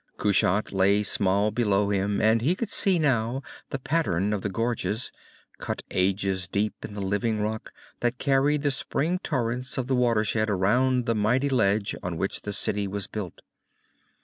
Kushat lay small below him, and he could see now the pattern of the gorges, cut ages deep in the living rock, that carried the spring torrents of the watershed around the mighty ledge on which the city was built.